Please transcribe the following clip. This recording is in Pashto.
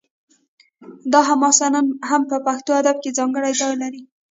دا حماسه نن هم په پښتو ادب کې ځانګړی ځای لري